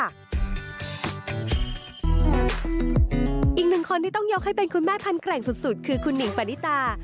อีกหนึ่งคนที่ต้องยกให้เป็นคุณแม่พันแกร่งสุดคือคุณหนิงปณิตา